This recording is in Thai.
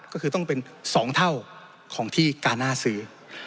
ก็คือต้องเป็น๒เท่าของที่กาน่าซื้อ